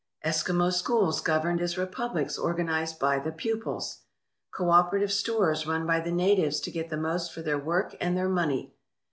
Eskimo schools governed as republics organized by the pupils ! Cooperative stores run by the natives to get the most for their work and their money!